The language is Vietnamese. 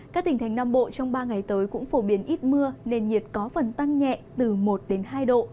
các tỉnh thành nam bộ trong ba ngày tới cũng phổ biến ít mưa nền nhiệt có phần tăng nhẹ từ một đến hai độ